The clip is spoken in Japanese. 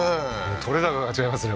取れ高が違いますね